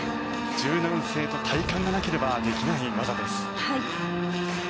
柔軟性と体幹がなければできない技です。